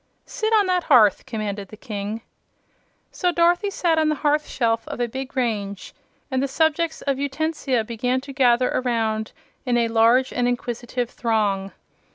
"Sit on that hearth," commanded the King. So Dorothy sat on the hearth shelf of the big range, and the subjects of Utensia began to gather around in a large and inquisitive throng.